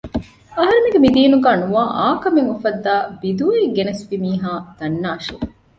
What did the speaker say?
އަހަރެމެންގެ މި ދީނުގައި ނުވާ އާ ކަމެއް އުފައްދައި ބިދުޢައެއް ގެނެސްގެންފި މީހާ ދަންނާށޭ